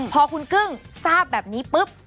พอคุณกึ้งทราบแบบนี้ปุ๊บ